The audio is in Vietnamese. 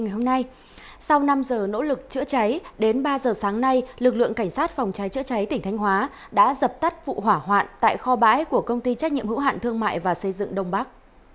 hôm sáng nay lực lượng cảnh sát phòng cháy chữa cháy tỉnh thanh hóa đã dập tắt vụ hỏa hoạn tại kho bãi của công ty trách nhiệm hữu hạn thương mại và xây dựng đông bắc